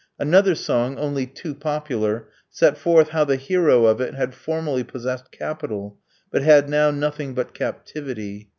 Another song, only too popular, set forth how the hero of it had formerly possessed capital, but had now nothing but captivity.